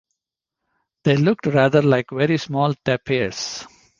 They looked rather like very small tapirs.